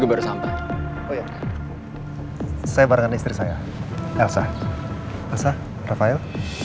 gimana kabar kak rafael